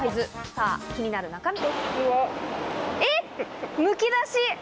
さぁ気になる中身。